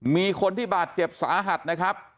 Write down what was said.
มีคนที่บาดเจ็บสาหัสนะครับ